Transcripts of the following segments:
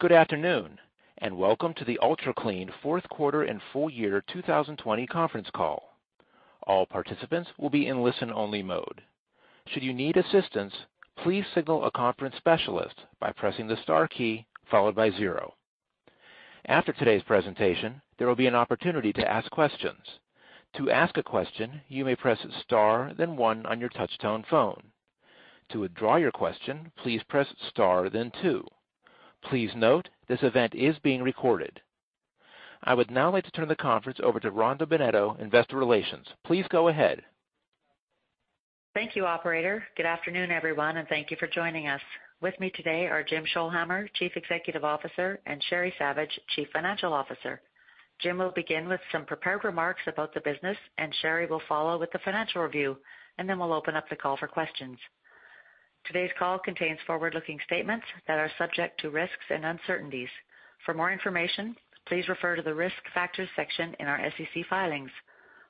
Good afternoon, and Welcome to the Ultra Clean fourth quarter and full Year 2020 conference call. All participants will be in listen-only mode. Should you need assistance, please signal a conference specialist by pressing the star key followed by zero. After today's presentation, there will be an opportunity to ask questions. To ask a question, you may press star, then one on your touch-tone phone. To withdraw your question, please press star, then two. Please note this event is being recorded. I would now like to turn the conference over to Rhonda Bennetto, Investor Relations. Please go ahead. Thank you, Operator. Good afternoon, everyone, and thank you for joining us. With me today are Jim Scholhamer, Chief Executive Officer, and Sheri Savage, Chief Financial Officer. Jim will begin with some prepared remarks about the business, and Sheri will follow with the financial review, and then we'll open up the call for questions. Today's call contains forward-looking statements that are subject to risks and uncertainties. For more information, please refer to the risk factors section in our SEC filings.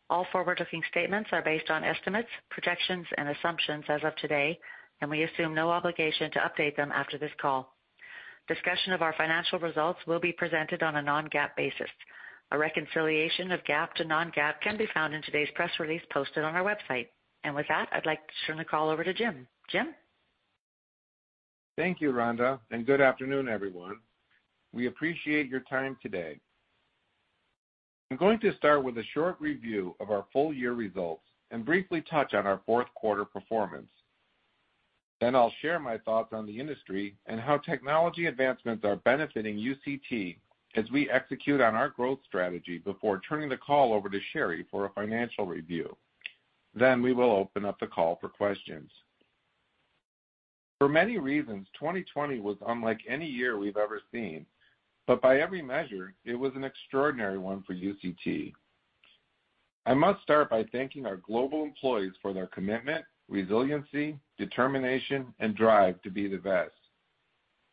All forward-looking statements are based on estimates, projections, and assumptions as of today, and we assume no obligation to update them after this call. Discussion of our financial results will be presented on a non-GAAP basis. A reconciliation of GAAP to non-GAAP can be found in today's press release posted on our website. And with that, I'd like to turn the call over to Jim. Jim? Thank you, Rhonda, and good afternoon, everyone. We appreciate your time today. I'm going to start with a short review of our full-year results and briefly touch on our fourth quarter performance. Then I'll share my thoughts on the industry and how technology advancements are benefiting UCT as we execute on our growth strategy before turning the call over to Sheri for a financial review. Then we will open up the call for questions. For many reasons, 2020 was unlike any year we've ever seen, but by every measure, it was an extraordinary one for UCT. I must start by thanking our global employees for their commitment, resiliency, determination, and drive to be the best.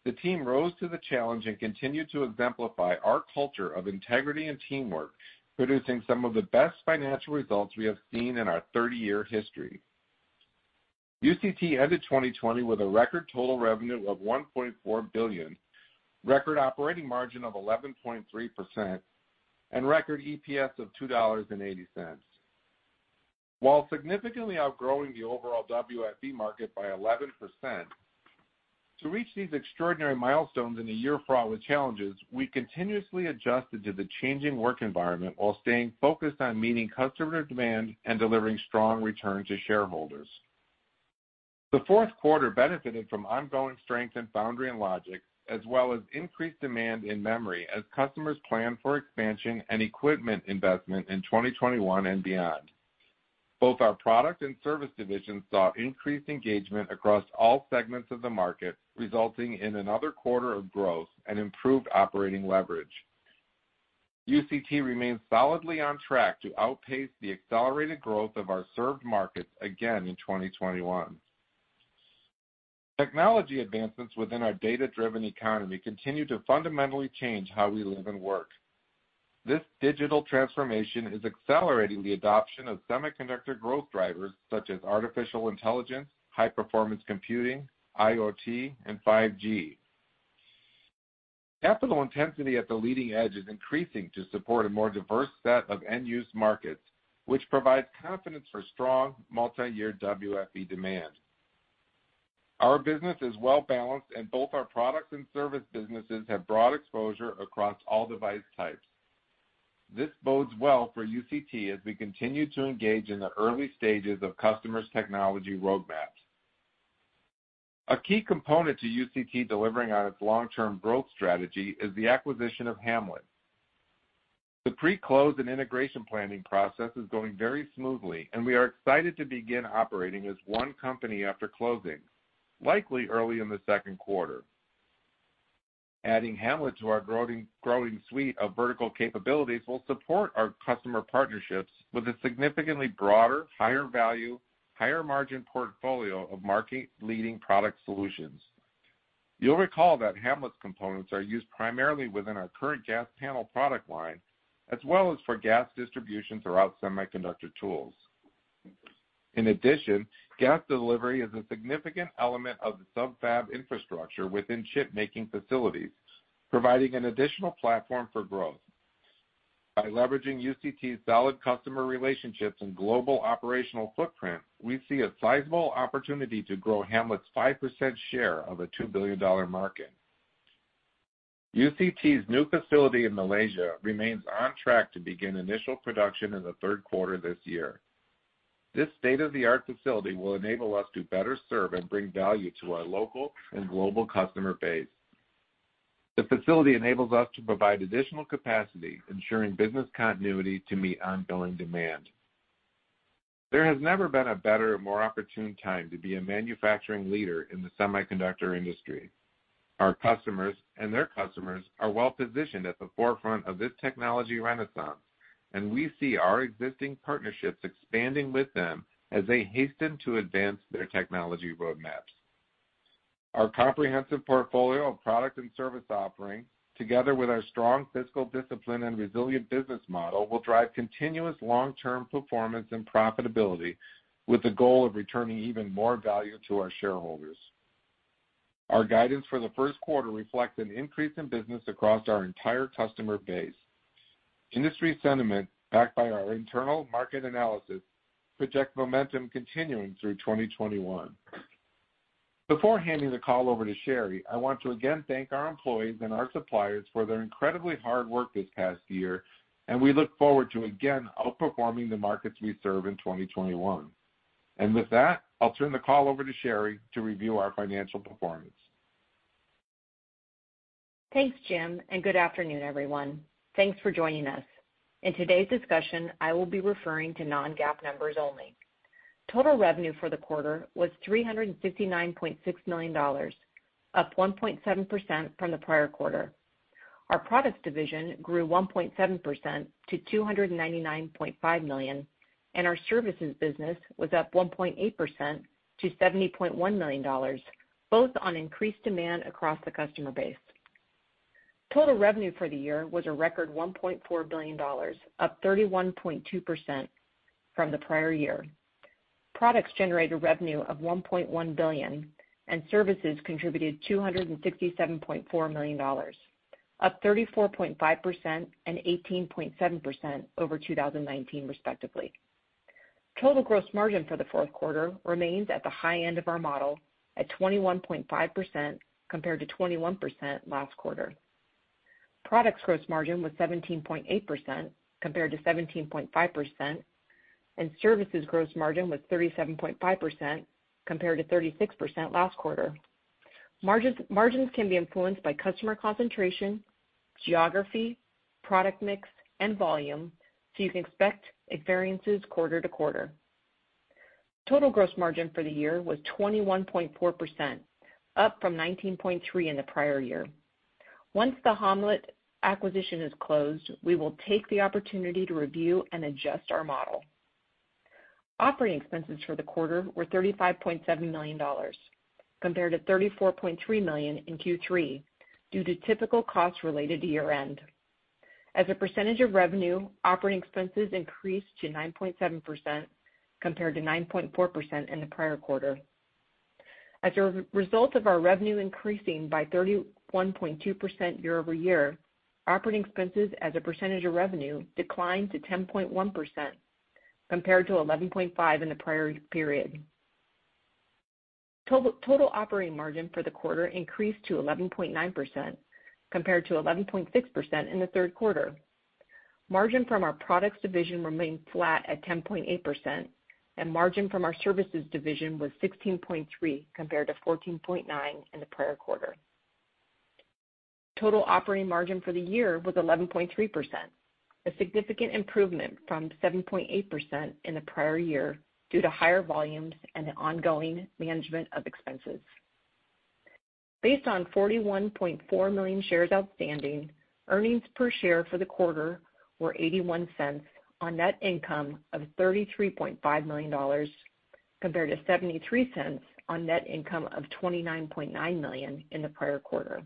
The team rose to the challenge and continued to exemplify our culture of integrity and teamwork, producing some of the best financial results we have seen in our 30-year history. UCT ended 2020 with a record total revenue of $1.4 billion, record operating margin of 11.3%, and record EPS of $2.80. While significantly outgrowing the overall WFE market by 11%, to reach these extraordinary milestones in a year fraught with challenges, we continuously adjusted to the changing work environment while staying focused on meeting customer demand and delivering strong returns to shareholders. The fourth quarter benefited from ongoing strength in foundry and logic, as well as increased demand in memory as customers planned for expansion and equipment investment in 2021 and beyond. Both our product and service divisions saw increased engagement across all segments of the market, resulting in another quarter of growth and improved operating leverage. UCT remains solidly on track to outpace the accelerated growth of our served markets again in 2021. Technology advancements within our data-driven economy continue to fundamentally change how we live and work. This digital transformation is accelerating the adoption of semiconductor growth drivers such as artificial intelligence, high-performance computing, IoT, and 5G. Capital intensity at the leading edge is increasing to support a more diverse set of end-use markets, which provides confidence for strong multi-year WFE demand. Our business is well-balanced, and both our products and service businesses have broad exposure across all device types. This bodes well for UCT as we continue to engage in the early stages of customers' technology roadmaps. A key component to UCT delivering on its long-term growth strategy is the acquisition of Ham-Let. The pre-close and integration planning process is going very smoothly, and we are excited to begin operating as one company after closing, likely early in the second quarter. Adding Ham-Let to our growing suite of vertical capabilities will support our customer partnerships with a significantly broader, higher value, higher margin portfolio of market-leading product solutions. You'll recall that Ham-Let's components are used primarily within our current gas panel product line, as well as for gas distribution throughout semiconductor tools. In addition, gas delivery is a significant element of the subfab infrastructure within chip-making facilities, providing an additional platform for growth. By leveraging UCT's solid customer relationships and global operational footprint, we see a sizable opportunity to grow Ham-Let's 5% share of a $2 billion market. UCT's new facility in Malaysia remains on track to begin initial production in the third quarter this year. This state-of-the-art facility will enable us to better serve and bring value to our local and global customer base. The facility enables us to provide additional capacity, ensuring business continuity to meet ongoing demand. There has never been a better and more opportune time to be a manufacturing leader in the semiconductor industry. Our customers and their customers are well-positioned at the forefront of this technology renaissance, and we see our existing partnerships expanding with them as they hasten to advance their technology roadmaps. Our comprehensive portfolio of product and service offerings, together with our strong fiscal discipline and resilient business model, will drive continuous long-term performance and profitability, with the goal of returning even more value to our shareholders. Our guidance for the first quarter reflects an increase in business across our entire customer base. Industry sentiment, backed by our internal market analysis, projects momentum continuing through 2021. Before handing the call over to Sheri, I want to again thank our employees and our suppliers for their incredibly hard work this past year, and we look forward to again outperforming the markets we serve in 2021, and with that, I'll turn the call over to Sheri to review our financial performance. Thanks, Jim, and good afternoon, everyone. Thanks for joining us. In today's discussion, I will be referring to non-GAAP numbers only. Total revenue for the quarter was $369.6 million, up 1.7% from the prior quarter. Our products division grew 1.7% to $299.5 million, and our services business was up 1.8% to $70.1 million, both on increased demand across the customer base. Total revenue for the year was a record $1.4 billion, up 31.2% from the prior year. Products generated revenue of $1.1 billion, and services contributed $267.4 million, up 34.5% and 18.7% over 2019, respectively. Total gross margin for the fourth quarter remains at the high end of our model at 21.5% compared to 21% last quarter. Products gross margin was 17.8% compared to 17.5%, and services gross margin was 37.5% compared to 36% last quarter. Margins can be influenced by customer concentration, geography, product mix, and volume, so you can expect variances quarter to quarter. Total gross margin for the year was 21.4%, up from 19.3% in the prior year. Once the Ham-Let acquisition is closed, we will take the opportunity to review and adjust our model. Operating expenses for the quarter were $35.7 million compared to $34.3 million in Q3 due to typical costs related to year-end. As a percentage of revenue, operating expenses increased to 9.7% compared to 9.4% in the prior quarter. As a result of our revenue increasing by 31.2% year-over-year, operating expenses as a percentage of revenue declined to 10.1% compared to 11.5% in the prior period. Total operating margin for the quarter increased to 11.9% compared to 11.6% in the third quarter. Margin from our products division remained flat at 10.8%, and margin from our services division was 16.3% compared to 14.9% in the prior quarter. Total operating margin for the year was 11.3%, a significant improvement from 7.8% in the prior year due to higher volumes and ongoing management of expenses. Based on 41.4 million shares outstanding, earnings per share for the quarter were $0.81 on net income of $33.5 million compared to $0.73 on net income of $29.9 million in the prior quarter.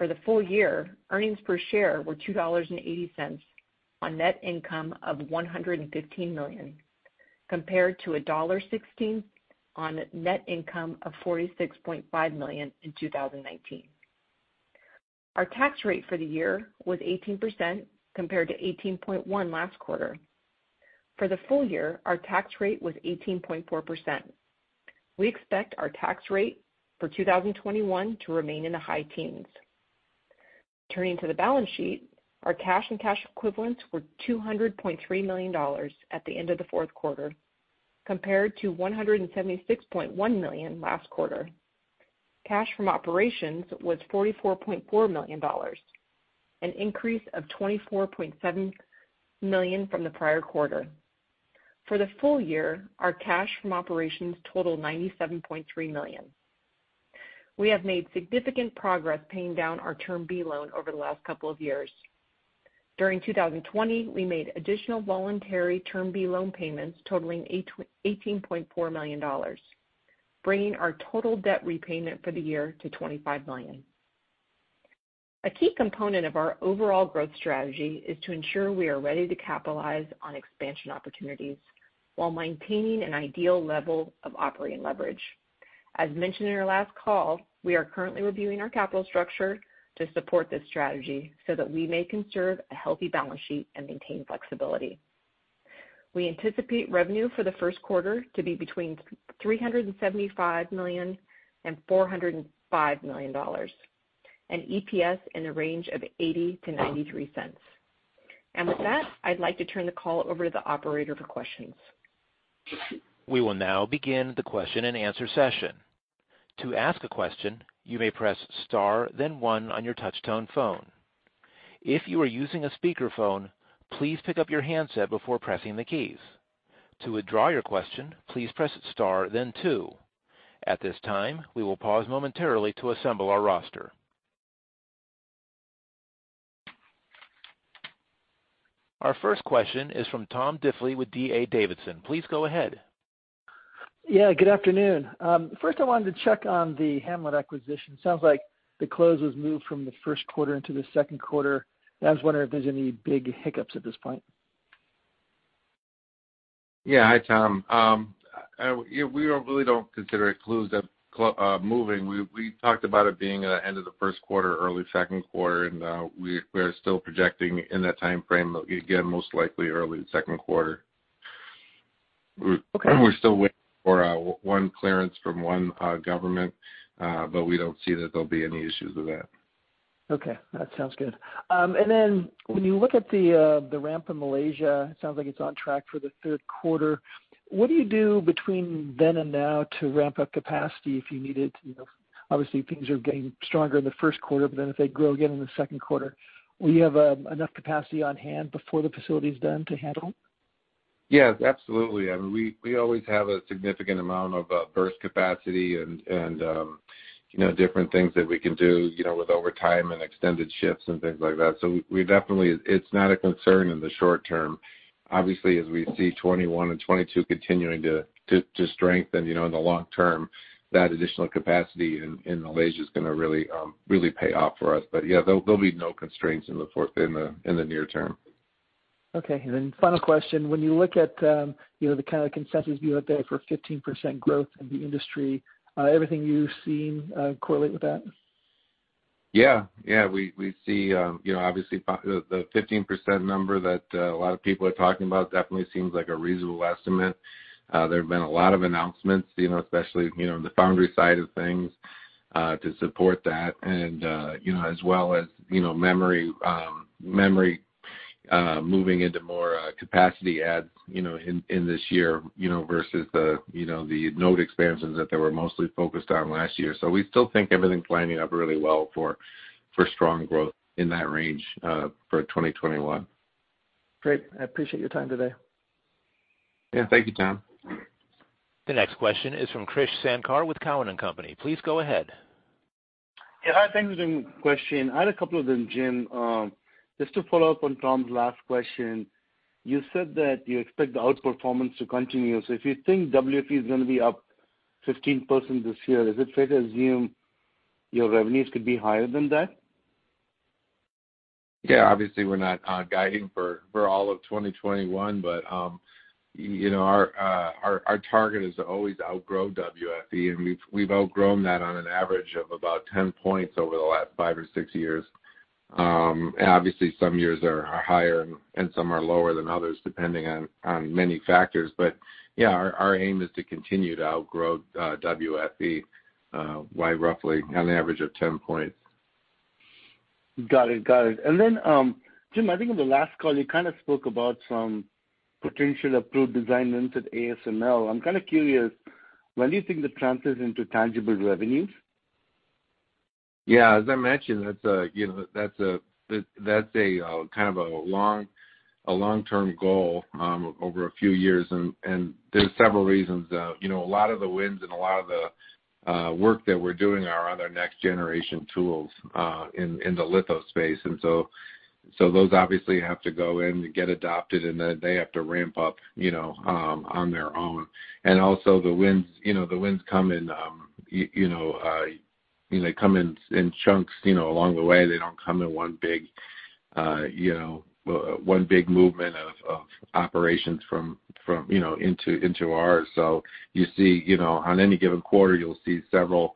For the full year, earnings per share were $2.80 on net income of $115 million compared to $1.16 on net income of $46.5 million in 2019. Our tax rate for the year was 18% compared to 18.1% last quarter. For the full year, our tax rate was 18.4%. We expect our tax rate for 2021 to remain in the high teens. Turning to the balance sheet, our cash and cash equivalents were $200.3 million at the end of the fourth quarter compared to $176.1 million last quarter. Cash from operations was $44.4 million, an increase of $24.7 million from the prior quarter. For the full year, our cash from operations totaled $97.3 million. We have made significant progress paying down our Term B loan over the last couple of years. During 2020, we made additional voluntary Term B loan payments totaling $18.4 million, bringing our total debt repayment for the year to $25 million. A key component of our overall growth strategy is to ensure we are ready to capitalize on expansion opportunities while maintaining an ideal level of operating leverage. As mentioned in our last call, we are currently reviewing our capital structure to support this strategy so that we may conserve a healthy balance sheet and maintain flexibility. We anticipate revenue for the first quarter to be between $375 million and $405 million, and EPS in the range of $0.80-$0.93. And with that, I'd like to turn the call over to the operator for questions. We will now begin the question and answer session. To ask a question, you may press star, then one on your touchtone phone. If you are using a speakerphone, please pick up your handset before pressing the keys. To withdraw your question, please press star, then two. At this time, we will pause momentarily to assemble our roster. Our first question is from Tom Diffely with D.A. Davidson. Please go ahead. Yeah, good afternoon. First, I wanted to check on the Ham-Let acquisition. It sounds like the close was moved from the first quarter into the second quarter. I was wondering if there's any big hiccups at this point? Yeah, hi, Tom. We really don't consider it close to moving. We talked about it being at the end of the first quarter, early second quarter, and we are still projecting in that timeframe, again, most likely early second quarter. We're still waiting for one clearance from one government, but we don't see that there'll be any issues with that. Okay, that sounds good and then when you look at the ramp in Malaysia, it sounds like it's on track for the third quarter. What do you do between then and now to ramp up capacity if you need it? Obviously, things are getting stronger in the first quarter, but then if they grow again in the second quarter, will you have enough capacity on hand before the facility is done to handle? Yes, absolutely. I mean, we always have a significant amount of burst capacity and different things that we can do with overtime and extended shifts and things like that. So definitely, it's not a concern in the short term. Obviously, as we see 2021 and 2022 continuing to strengthen in the long term, that additional capacity in Malaysia is going to really pay off for us. But yeah, there'll be no constraints in the near term. Okay. And then final question, when you look at the kind of consensus view up there for 15% growth in the industry, everything you've seen correlate with that? Yeah. Yeah, we see obviously the 15% number that a lot of people are talking about definitely seems like a reasonable estimate. There have been a lot of announcements, especially on the foundry side of things, to support that, and as well as memory moving into more capacity adds in this year versus the node expansions that they were mostly focused on last year. So we still think everything's lining up really well for strong growth in that range for 2021. Great. I appreciate your time today. Yeah, thank you, Tom. The next question is from Krish Sankar with Cowen and Company. Please go ahead. Yeah, hi, thanks for the question. I had a couple of them, Jim. Just to follow up on Tom's last question, you said that you expect the outperformance to continue. So if you think WFE is going to be up 15% this year, is it fair to assume your revenues could be higher than that? Yeah, obviously, we're not guiding for all of 2021, but our target is to always outgrow WFE, and we've outgrown that on an average of about 10 points over the last five or six years. Obviously, some years are higher and some are lower than others, depending on many factors. But yeah, our aim is to continue to outgrow WFE by roughly an average of 10 points. Got it. Got it. And then, Jim, I think in the last call, you kind of spoke about some potential approved designs into ASML. I'm kind of curious, when do you think the transition to tangible revenues? Yeah, as I mentioned, that's a kind of a long-term goal over a few years, and there's several reasons. A lot of the wins and a lot of the work that we're doing are on our next-generation tools in the litho space, and so those obviously have to go in and get adopted, and then they have to ramp up on their own, and also, the wins come in chunks along the way. They don't come in one big movement of operations into ours. So you see on any given quarter, you'll see several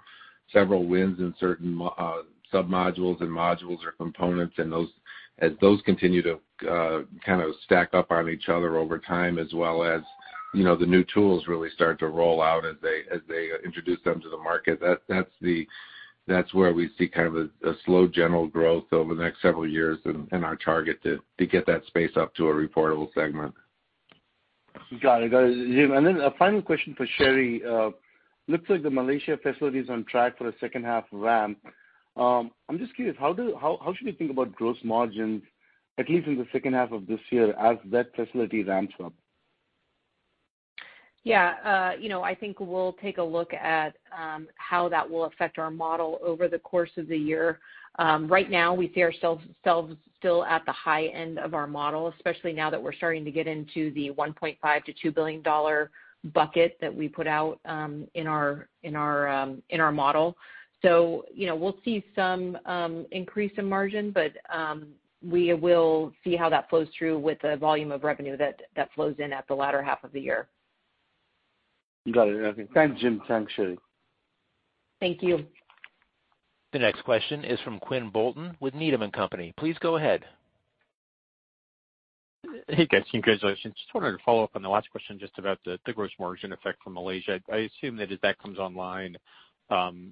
wins in certain submodules and modules or components. As those continue to kind of stack up on each other over time, as well as the new tools really start to roll out as they introduce them to the market, that's where we see kind of a slow general growth over the next several years and our target to get that space up to a reportable segment. Got it. Got it. And then a final question for Sheri. Looks like the Malaysia facility is on track for the second half ramp. I'm just curious, how should we think about gross margins, at least in the second half of this year, as that facility ramps up? Yeah, I think we'll take a look at how that will affect our model over the course of the year. Right now, we see ourselves still at the high end of our model, especially now that we're starting to get into the $1.5 billion-$2 billion bucket that we put out in our model. So we'll see some increase in margin, but we will see how that flows through with the volume of revenue that flows in at the latter half of the year. Got it. Thanks, Jim. Thanks, Sheri. Thank you. The next question is from Quinn Bolton with Needham & Company. Please go ahead. Hey, guys. Congratulations. Just wanted to follow up on the last question just about the gross margin effect from Malaysia. I assume that as that comes online,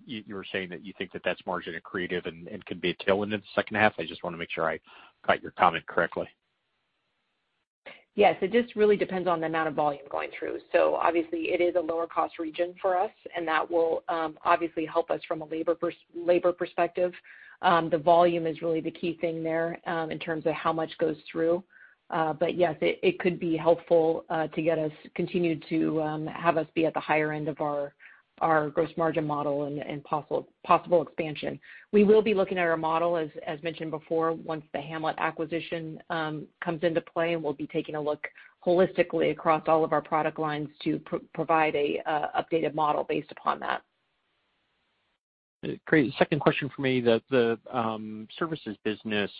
you were saying that you think that that's margin accretive and can be a tailwind in the second half. I just want to make sure I got your comment correctly. Yes, it just really depends on the amount of volume going through. So obviously, it is a lower-cost region for us, and that will obviously help us from a labor perspective. The volume is really the key thing there in terms of how much goes through. But yes, it could be helpful to continue to have us be at the higher end of our gross margin model and possible expansion. We will be looking at our model, as mentioned before, once the Ham-Let acquisition comes into play, and we'll be taking a look holistically across all of our product lines to provide an updated model based upon that. Great. Second question for me, the services business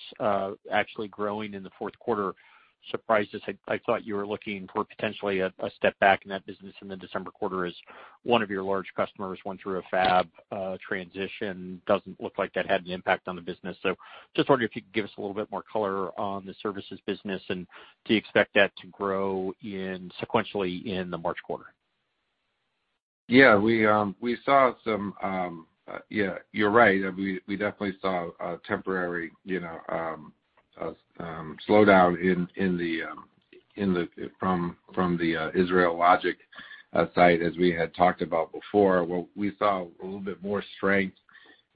actually growing in the fourth quarter surprised us. I thought you were looking for potentially a step back in that business in the December quarter as one of your large customers went through a fab transition. Doesn't look like that had an impact on the business. So just wondering if you could give us a little bit more color on the services business, and do you expect that to grow sequentially in the March quarter? Yeah, we saw some, yeah, you're right. We definitely saw a temporary slowdown from the Israel Logic side, as we had talked about before. We saw a little bit more strength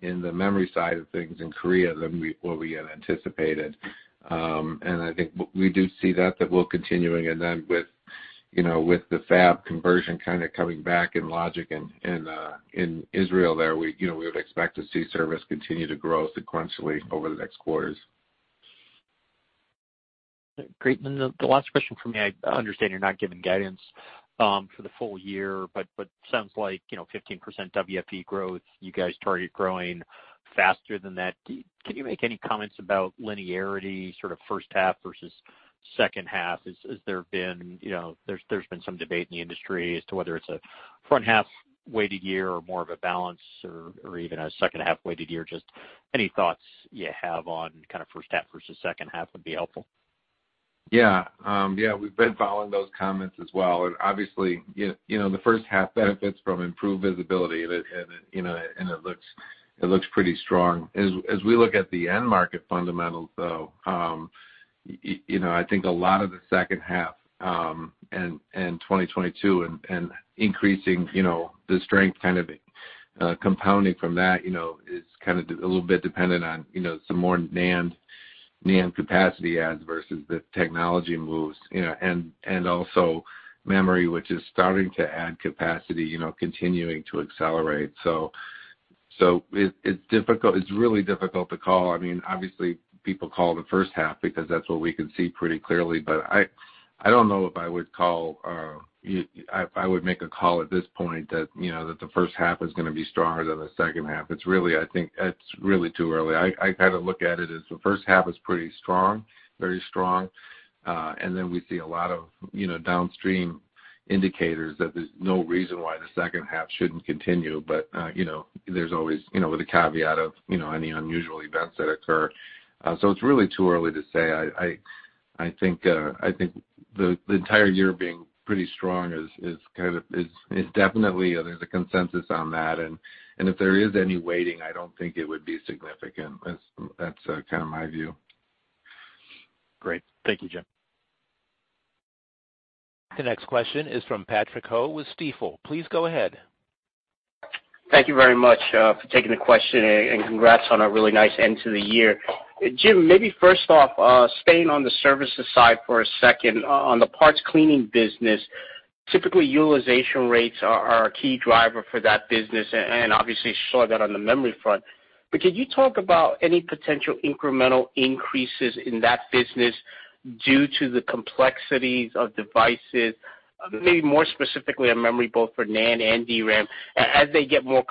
in the memory side of things in Korea than what we had anticipated. And I think we do see that we'll continue. And then with the fab conversion kind of coming back in Logic and in Israel there, we would expect to see service continue to grow sequentially over the next quarters. Great. And then the last question for me, I understand you're not giving guidance for the full year, but it sounds like 15% WFE growth, you guys target growing faster than that. Can you make any comments about linearity, sort of first half versus second half? Has there been some debate in the industry as to whether it's a front-half-weighted year or more of a balance or even a second-half-weighted year. Just any thoughts you have on kind of first half versus second half would be helpful. Yeah. Yeah, we've been following those comments as well. Obviously, the first half benefits from improved visibility, and it looks pretty strong. As we look at the end market fundamentals, though, I think a lot of the second half and 2022 and increasing the strength kind of compounding from that is kind of a little bit dependent on some more NAND capacity adds versus the technology moves and also memory, which is starting to add capacity, continuing to accelerate. So it's really difficult to call. I mean, obviously, people call the first half because that's what we can see pretty clearly. But I don't know if I would make a call at this point that the first half is going to be stronger than the second half. I think it's really too early. I kind of look at it as the first half is pretty strong, very strong. And then we see a lot of downstream indicators that there's no reason why the second half shouldn't continue. But there's always the caveat of any unusual events that occur. So it's really too early to say. I think the entire year being pretty strong is definitely there's a consensus on that. And if there is any waiting, I don't think it would be significant. That's kind of my view. Great. Thank you, Jim. The next question is from Patrick Ho with Stifel. Please go ahead. Thank you very much for taking the question, and congrats on a really nice end to the year. Jim, maybe first off, staying on the services side for a second, on the parts cleaning business, typically utilization rates are a key driver for that business, and obviously, you saw that on the memory front, but could you talk about any potential incremental increases in that business due to the complexities of devices, maybe more specifically on memory, both for NAND and DRAM, as they get more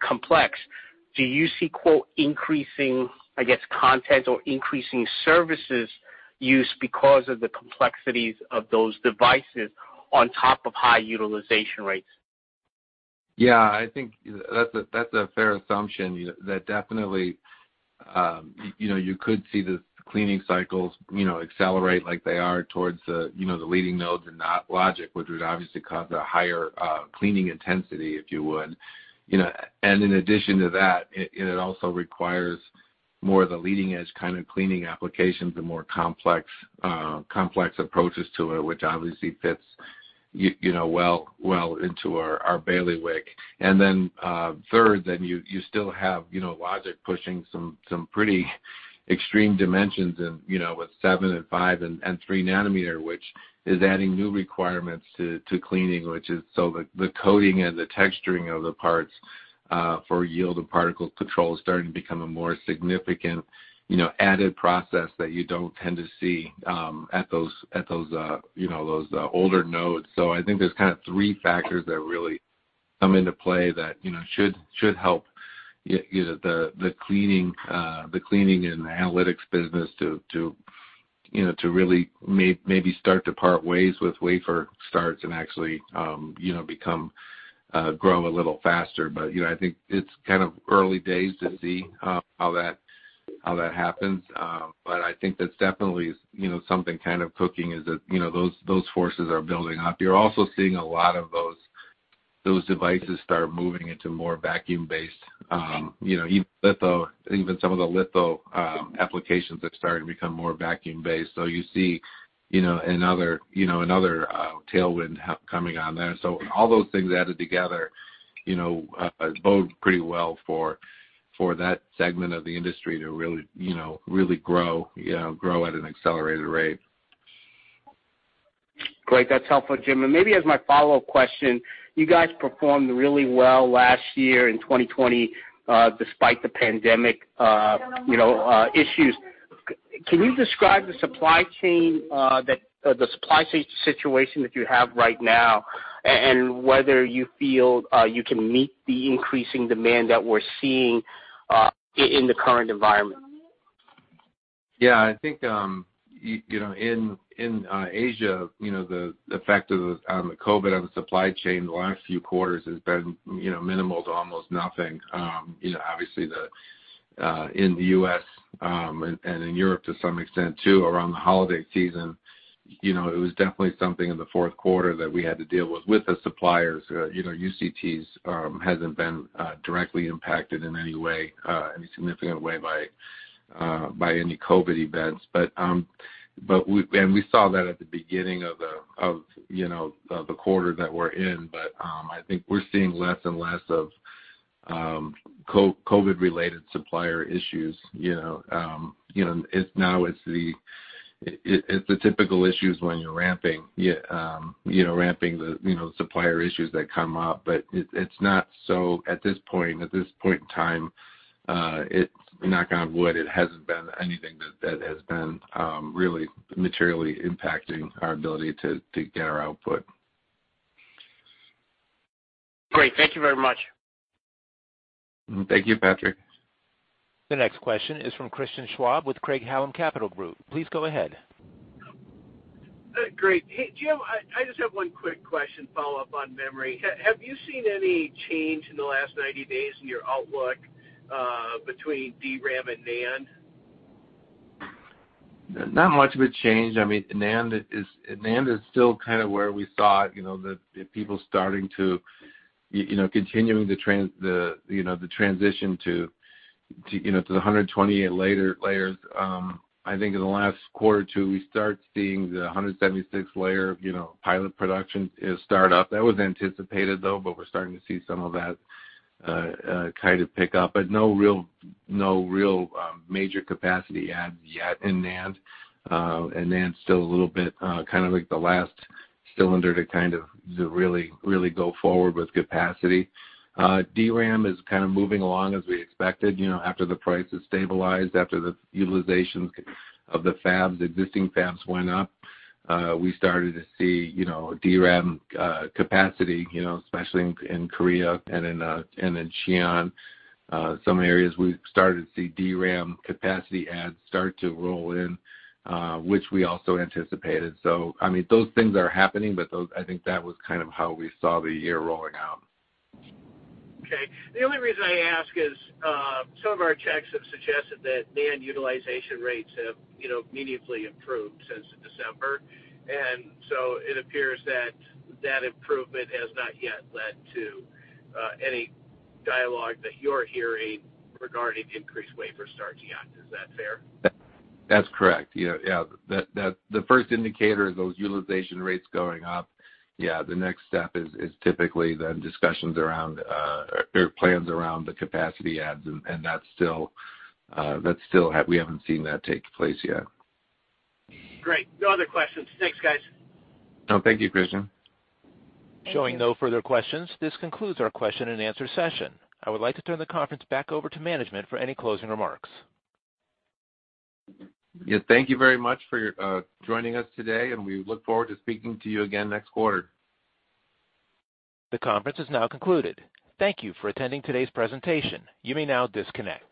complex? Do you see "increasing," I guess, content or increasing services use because of the complexities of those devices on top of high utilization rates? Yeah, I think that's a fair assumption. That definitely you could see the cleaning cycles accelerate like they are towards the leading nodes and not Logic, which would obviously cause a higher cleaning intensity, if you would. And in addition to that, it also requires more of the leading-edge kind of cleaning applications and more complex approaches to it, which obviously fits well into our bailiwick. And then third, then you still have Logic pushing some pretty extreme dimensions with 7 and 5 and 3 nanometer, which is adding new requirements to cleaning, which is so the coating and the texturing of the parts for yield and particle control is starting to become a more significant added process that you don't tend to see at those older nodes. So I think there's kind of three factors that really come into play that should help the cleaning and analytics business to really maybe start to part ways with wafer starts and actually grow a little faster. But I think it's kind of early days to see how that happens. But I think that's definitely something kind of cooking, is that those forces are building up. You're also seeing a lot of those devices start moving into more vacuum-based, even some of the litho applications that started to become more vacuum-based. So you see another tailwind coming on there. So all those things added together bode pretty well for that segment of the industry to really grow at an accelerated rate. Great. That's helpful, Jim. And maybe as my follow-up question, you guys performed really well last year in 2020 despite the pandemic issues. Can you describe the supply chain or the supply situation that you have right now and whether you feel you can meet the increasing demand that we're seeing in the current environment? Yeah, I think in Asia, the effect on the COVID on the supply chain the last few quarters has been minimal to almost nothing. Obviously, in the U.S. and in Europe to some extent too around the holiday season, it was definitely something in the fourth quarter that we had to deal with. With the suppliers, UCT's hasn't been directly impacted in any way, any significant way by any COVID events. And we saw that at the beginning of the quarter that we're in. But I think we're seeing less and less of COVID-related supplier issues. Now it's the typical issues when you're ramping the supplier issues that come up. But it's not so at this point, at this point in time, knock on wood, it hasn't been anything that has been really materially impacting our ability to get our output. Great. Thank you very much. Thank you, Patrick. The next question is from Christian Schwab with Craig-Hallum Capital Group. Please go ahead. Great. Hey, Jim, I just have one quick question, follow-up on memory. Have you seen any change in the last 90 days in your outlook between DRAM and NAND? Not much of a change. I mean, NAND is still kind of where we saw people starting to continuing the transition to the 128 layers. I think in the last quarter or two, we start seeing the 176 layer pilot production start up. That was anticipated, though, but we're starting to see some of that kind of pick up. But no real major capacity adds yet in NAND, and NAND's still a little bit kind of like the last cylinder to kind of really go forward with capacity. DRAM is kind of moving along as we expected after the prices stabilized, after the utilizations of the fabs, existing fabs went up. We started to see DRAM capacity, especially in Korea and in Xi'an. Some areas we started to see DRAM capacity adds start to roll in, which we also anticipated. So I mean, those things are happening, but I think that was kind of how we saw the year rolling out. Okay. The only reason I ask is some of our techs have suggested that NAND utilization rates have meaningfully improved since December. And so it appears that that improvement has not yet led to any dialogue that you're hearing regarding increased wafer starts yet. Is that fair? That's correct. Yeah. The first indicator is those utilization rates going up. Yeah, the next step is typically then discussions around or plans around the capacity adds, and that's still we haven't seen that take place yet. Great. No other questions. Thanks, guys. Thank you, Christian. Showing no further questions, this concludes our question and answer session. I would like to turn the conference back over to management for any closing remarks. Thank you very much for joining us today, and we look forward to speaking to you again next quarter. The conference is now concluded. Thank you for attending today's presentation. You may now disconnect.